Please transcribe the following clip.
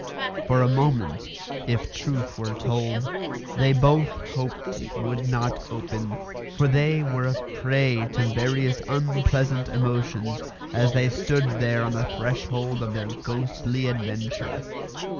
For a moment, if truth were told, they both hoped it would not open, for they were a prey to various unpleasant emotions as they stood there on the threshold of their ghostly adventure.